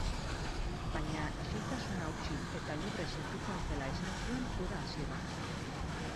Baina, isiltasuna hautsi eta libre sentitzen zela esan zuen uda hasieran.